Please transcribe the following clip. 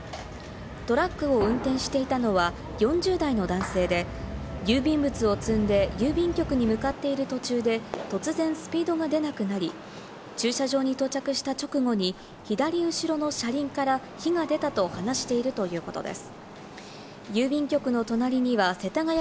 トラックを運転していたのは４０代の男性で、郵便物を積んで郵便局に向かっている途中で突然スピードが出なくなり、駐車場に到着した直後に左後ろの車輪から火が出たと話しているということです。